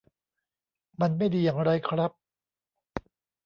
มันไม่ดีอย่างไรครับ